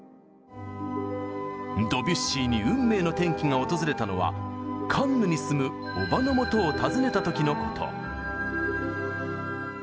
ドビュッシーに運命の転機が訪れたのはカンヌに住むおばのもとを訪ねた時のこと。